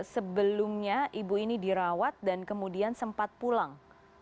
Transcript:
sebelumnya ibu ini dirawat dan kemudian sempat pulang